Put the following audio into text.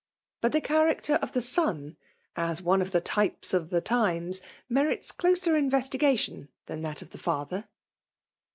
But the character of the son, as one oTthe types of the times, merits closer in vestigation than that of the father.